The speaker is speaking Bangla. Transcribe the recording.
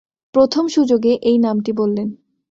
প্রথম সুযোগে এই নামটি বললেন।